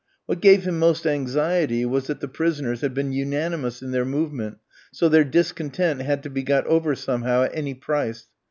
What gave him most anxiety was that the prisoners had been unanimous in their movement, so their discontent had to be got over somehow, at any price.